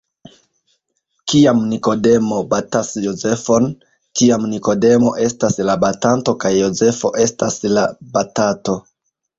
Kiam Nikodemo batas Jozefon, tiam Nikodemo estas la batanto kaj Jozefo estas la batato.